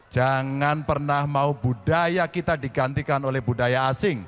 jangan pernah mau budaya kita digantikan oleh budaya asing